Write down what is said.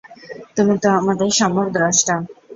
তুমি তো আমাদের সম্যক দ্রষ্টা।